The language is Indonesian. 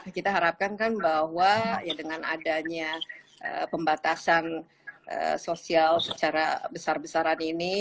kita harapkan kan bahwa ya dengan adanya pembatasan sosial secara besar besaran ini